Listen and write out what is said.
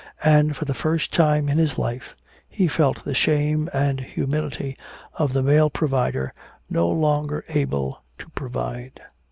And for the first time in his life he felt the shame and humility of the male provider no longer able to provide.